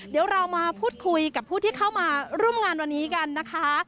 เดี๋ยวเรามาพูดคุยกับผู้ที่เข้ามาร่วมงานวันนี้กันนะคะ